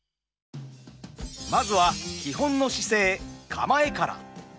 まずは基本の姿勢「構え」から。